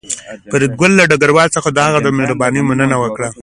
فریدګل له ډګروال څخه د هغه د مهربانۍ مننه وکړه